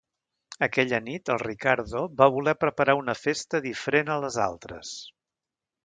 Aquella nit, el Riccardo va voler preparar una festa diferent a les altres.